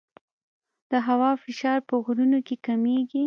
د هوا فشار په غرونو کې کمېږي.